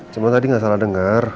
cuma tadi gak salah denger